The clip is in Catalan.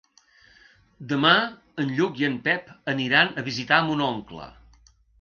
Demà en Lluc i en Pep aniran a visitar mon oncle.